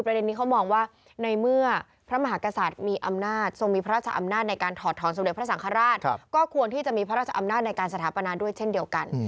นี้เขามองว่าในเมื่อพระมหากษัตริย์มีอำนาจทรงมีพระราชอำนาจในการถอดถอนสมเด็จพระสังฆราชก็ควรที่จะมีพระราชอำนาจในการสถาปนาด้วยเช่นเดียวกัน